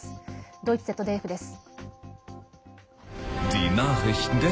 ドイツＺＤＦです。